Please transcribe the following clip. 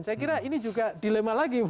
saya kira ini juga dilema lagi